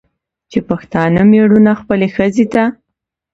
چې پښتانه مېړونه خپلې ښځې ته